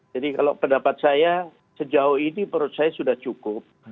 jadi kalau pendapat saya sejauh ini menurut saya sudah cukup